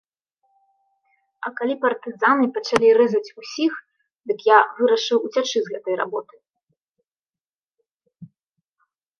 А калі партызаны пачалі рэзаць усіх, дык я вырашыў уцячы з гэтай работы.